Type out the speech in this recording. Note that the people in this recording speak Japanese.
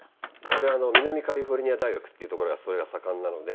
これ南カリフォルニア大学っていうところがそれが盛んなので。